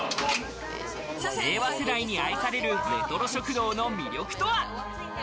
令和世代に愛されるレトロ食堂の魅力とは？